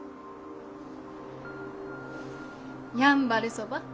やんばるそば？